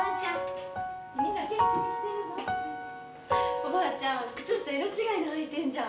おばあちゃん、靴下色違いの履いてんじゃん！